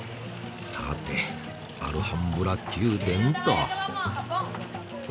さてアルハンブラ宮殿っと。